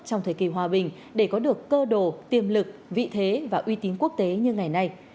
trong thời kỳ hòa bình để có được cơ đồ tiềm lực vị thế và uy tín quốc tế như ngày nay